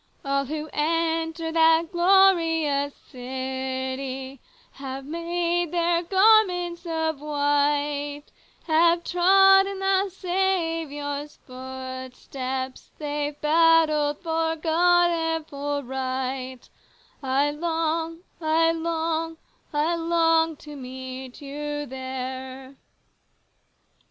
157 "All who enter that glorious city Have made their garments of white, Have trod in the Saviour's footsteps ; They've battled for God and for right. I long, I long ! I long to meet you there."